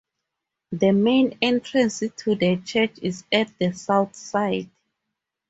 The main entrance to the Church is at the south side.